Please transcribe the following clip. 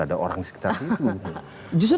ada orang di sekitar situ justru